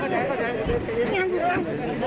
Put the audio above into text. สวัสดีครับทุกคน